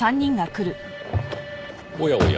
おやおや。